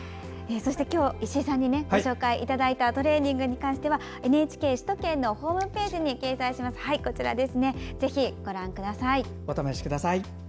そして、今日石井さんにご紹介いただいたトレーニングはＮＨＫ首都圏ナビのホームページに掲載します。